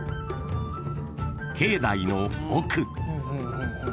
［境内の奥］